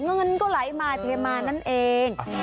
เงินก็ไหลมาเทมานั่นเอง